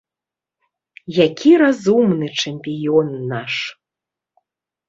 Які разумны чэмпіён наш.